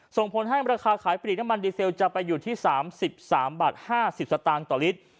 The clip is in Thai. ส่งผลให้ราคาขายปลีกน้ำมันดีเซลจะไปอยู่ที่๓๓บาท๕๐สตางค์ต่อลิตร